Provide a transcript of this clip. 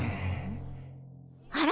あら？